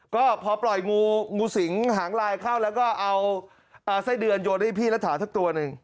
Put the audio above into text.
ก็พอปล่อยงูสิงหางลายเข้าแล้วก็เอาไส้เดือนโยนให้พี่รัฐาสักตัวหนึ่ง